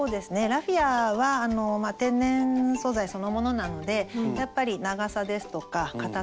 ラフィアは天然素材そのものなのでやっぱり長さですとかかたさですとか